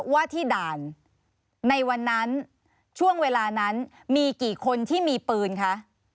ว่าที่ด่านในวันนั้นช่วงเวลานั้นมีกี่คนที่มีปืนคะ